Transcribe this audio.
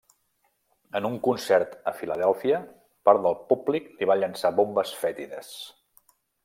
En un concert a Filadèlfia, part del públic li va llançar bombes fètides.